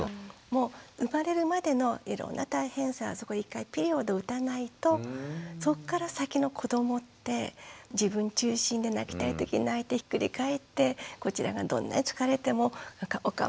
もう生まれるまでのいろんな大変さそこ一回ピリオドを打たないとそこから先の子どもって自分中心で泣きたいとき泣いてひっくり返ってこちらがどんなに疲れてもお構いなく散らかす。